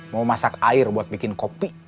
mau masak air buat bikin kopi